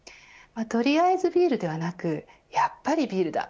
取りあえずビールではなくやっぱりビールだ